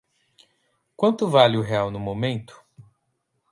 Quanto vale o real no momento?